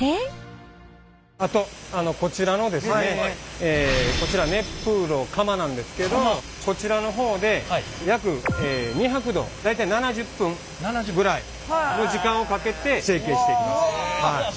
あとこちら熱風炉釜なんですけどこちらの方で約２００℃大体７０分ぐらいの時間をかけて成形していきます。